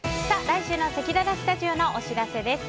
来週のせきららスタジオのお知らせです。